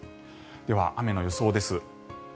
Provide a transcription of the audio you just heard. では、雨の予想です。